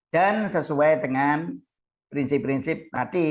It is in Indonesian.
dan sesuai dengan prinsip prinsip tadi